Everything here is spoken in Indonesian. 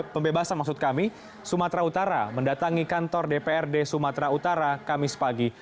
pembebasan maksud kami sumatera utara mendatangi kantor dprd sumatera utara kamis pagi